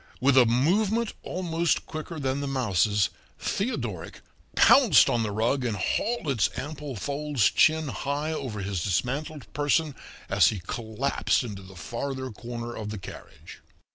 With a movement almost quicker than the mouse's, Theodoric pounced on the rug and hauled its ample folds chin high over his dismantled person as he collapsed into the farther corner of the carriage.